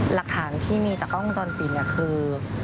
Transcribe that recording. หลักฐานที่มีจากกล้องวงจรปิดคือ